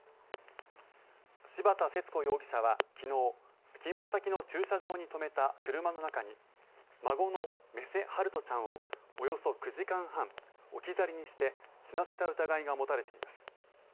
柴田節子容疑者は昨日勤務先の駐車場に止めた車の中に孫の目瀬陽翔ちゃんをおよそ９時間半置き去りにして死なせた疑いが持たれています。